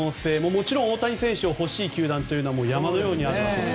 もちろん大谷選手が欲しい球団は山のようにあるわけで。